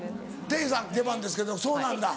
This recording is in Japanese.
ていさん出番ですけどそうなんだ。